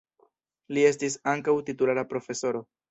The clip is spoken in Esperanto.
Li estis ankaŭ titulara profesoro.